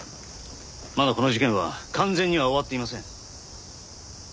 まだこの事件は完全には終わっていません。